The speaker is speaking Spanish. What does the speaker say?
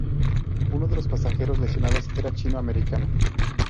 Uno de los pasajeros lesionados era chino-americano.